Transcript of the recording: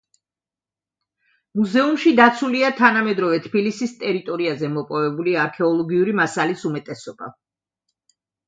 მუზეუმში დაცულია თანამედროვე თბილისის ტერიტორიაზე მოპოვებული არქეოლოგიური მასალის უმეტესობა.